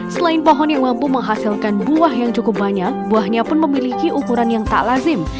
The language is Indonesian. selain pohon yang mampu menghasilkan buah yang cukup banyak buahnya pun memiliki ukuran yang tak lazim